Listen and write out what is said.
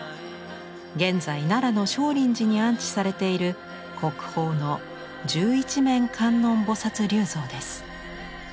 現在奈良の聖林寺に安置されている国宝の十一面観音菩立像です。